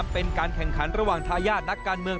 เป็นการแข่งขันระหว่างทายาทนักการเมือง